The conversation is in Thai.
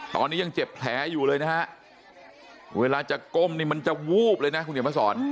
ตอนนี้ยังเจ็บแผลอยู่เลยนะฮะเวลาจะก้มนี่มันจะวูบเลยนะคุณเขียนมาสอน